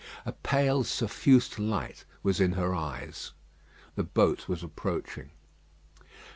A pale suffused light was in her eyes. The boat was approaching.